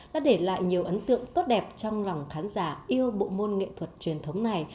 đã để lại nhiều ấn tượng tốt đẹp trong lòng khán giả yêu bộ môn nghệ thuật truyền thống này